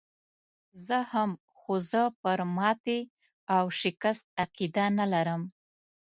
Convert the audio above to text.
زه هم، خو زه پر ماتې او شکست عقیده نه لرم.